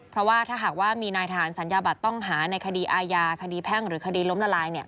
เพราะว่าถ้าหากว่ามีนายทหารสัญญาบัตรต้องหาในคดีอาญาคดีแพ่งหรือคดีล้มละลาย